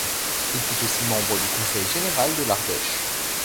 Il fut aussi membre du conseil général de l'Ardèche.